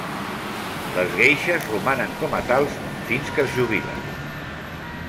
Les geishes romanen com a tals fins que es jubilen.